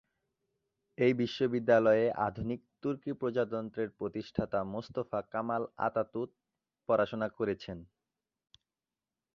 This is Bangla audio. এই বিশ্ববিদ্যালয়ে আধুনিক তুর্কি প্রজাতন্ত্রের প্রতিষ্ঠাতা মোস্তফা কামাল আতাতুর্ক পড়াশুনা করেছেন।